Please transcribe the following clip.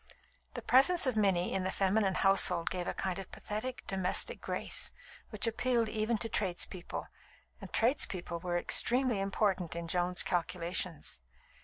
The presence of Minnie in the feminine household gave a kind of pathetic, domestic grace, which appealed even to tradespeople; and tradespeople were extremely important in Joan's calculations.